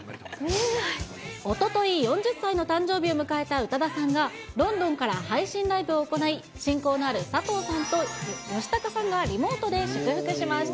おととい４０歳の誕生日を迎えた宇多田さんが、ロンドンから配信ライブを行い、親交のある佐藤さんと吉高さんがリモートで祝福しました。